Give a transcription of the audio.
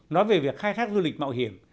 nói về việc khai thác du lịch mạo hiểm